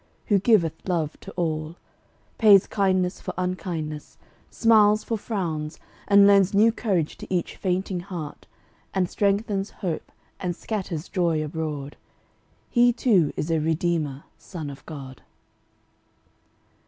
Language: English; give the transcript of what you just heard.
Who giveth love to all; Pays kindness for unkindness, smiles for frowns; And lends new courage to each fainting heart, And strengthens hope and scatters joy abroad He, too, is a Redeemer, Son of God.